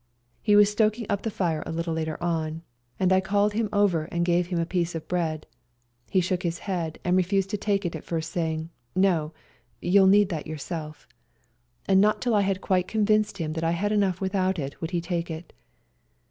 He was stoking up the fire a little later on, and I called him over and gave him my piece of ELBASAN 169 bread. He shook his head and refused to take it at first, saying, "No, you'll need that yourself," and not till I had quite convinced him that I had enough without it would he take it.